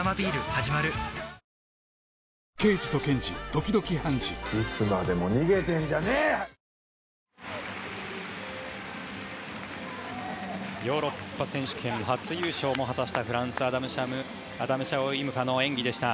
はじまるヨーロッパ選手権初優勝も果たしたフランス、アダム・シャオ・イム・ファの演技でした。